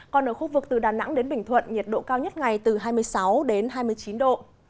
còn ở khu vực từ đà nẵng đến bình thuận nhiệt độ cao nhất ngày từ hai mươi sáu đến hai mươi chín độ